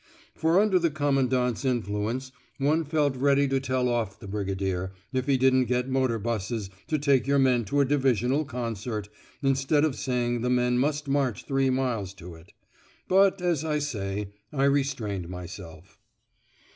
For under the Commandant's influence one felt ready to tell off the Brigadier, if he didn't get motor 'buses to take your men to a divisional concert instead of saying the men must march three miles to it. But, as I say, I restrained myself.